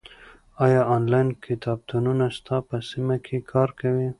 ایا آنلاین کتابتونونه ستا په سیمه کې کار کوي؟